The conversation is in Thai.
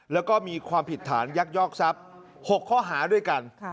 แล้วก็มีความผิดฐานยักยอกทรัพย์๖ข้อหาด้วยกัน